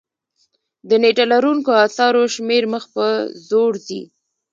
د نېټه لرونکو اثارو شمېر مخ په ځوړ ځي.